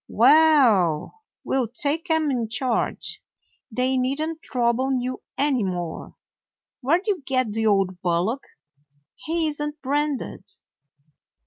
Well, we 'll take 'em in charge. They need n't trouble you any more. Where 'd you get the old bullock? He isn't branded."